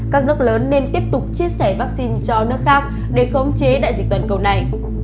các nước lớn nên tiếp tục chia sẻ vaccine cho nước khác để khống chế đại dịch toàn cầu này